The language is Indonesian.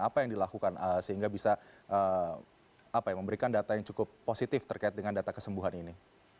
apa yang dilakukan sehingga bisa memberikan data yang cukup positif terkait dengan data kesembuhan ini